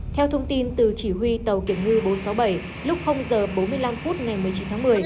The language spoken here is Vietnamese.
theo thông tin từ chỉ huy tàu kiểm ngư bốn trăm sáu mươi bảy lúc h bốn mươi năm phút ngày một mươi chín tháng một mươi